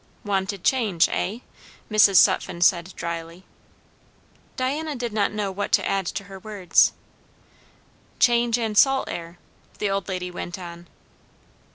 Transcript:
"Wanted change, eh?" Mrs. Sutphen said dryly. Diana did not know what to add to her words. "Change and salt air" the old lady went on.